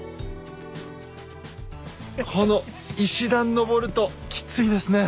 この石段のぼるときついですね。